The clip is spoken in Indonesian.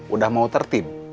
udah mau tertib